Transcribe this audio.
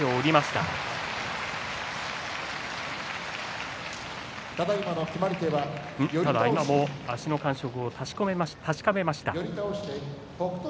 ただ今も足の感触を確かめました。